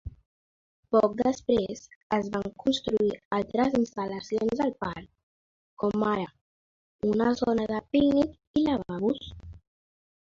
Poc després, es van construir altres instal·lacions al parc, com ara una zona de pícnic i lavabos.